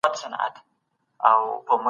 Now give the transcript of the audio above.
ایا په تیاره کي مطالعه کول سترګو ته زیان رسوي؟